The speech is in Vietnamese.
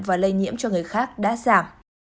và lây nhiễm cho người khác đã giảm